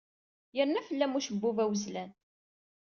Yerna fell-am ucebbub awezlan.